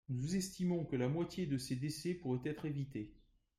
Nous estimons que la moitié de ces décès pourraient être évités.